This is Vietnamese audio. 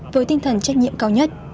với tinh thần trách nhiệm cao nhất